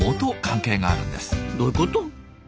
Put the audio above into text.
どういうこと？